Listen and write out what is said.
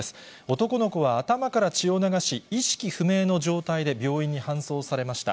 男の子は頭から血を流し、意識不明の状態で病院に搬送されました。